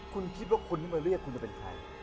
คุณคิดว่าคนที่มาเรียกคุณจะเป็นใคร